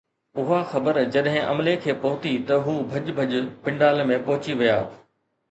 اها خبر جڏهن عملي کي پهتي ته هو ڀڄ ڀڄ پنڊال ۾ پهچي ويا.